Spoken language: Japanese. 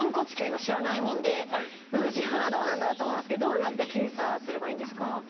今知らないもんで自分はどうなんだろうって思いますけどどうやって検査すればいいんですか？